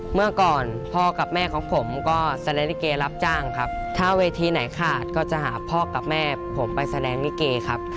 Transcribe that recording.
เมื่อก่อนพ่อกับแม่ของผมก็แสดงลิเกย์รับจ้างครับถ้าเวทีไหนขาดก็จะหาพ่อกับแม่ผมไปแสดงลิเกครับ